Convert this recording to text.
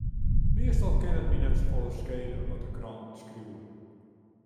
Meastal kin it my net safolle skele wat de kranten skriuwe.